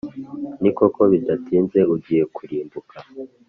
ni koko, bidatinze ugiye kurimbuka,